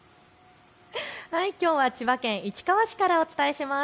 きょうは千葉県市川市からお伝えします。